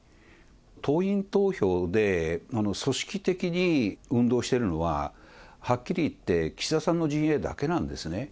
党員投票で組織的に運動してるのは、はっきり言って岸田さんの陣営だけなんですね。